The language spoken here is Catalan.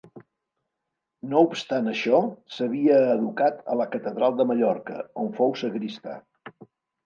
No obstant això, s'havia educat a la catedral de Mallorca, on fou sagristà.